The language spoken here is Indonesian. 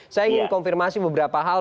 saya ingin konfirmasi beberapa hal